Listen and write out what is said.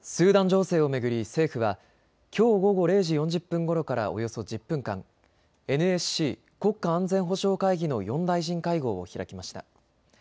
スーダン情勢を巡り、政府はきょう午後０時４０分ごろからおよそ１０分間、ＮＳＣ・国家安全保障会議の４大臣会合を開きました。